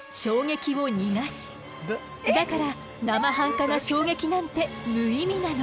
だからなまはんかな衝撃なんて無意味なの。